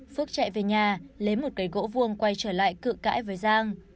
phước chạy về nhà lấy một cây gỗ vuông quay trở lại cự cãi với giang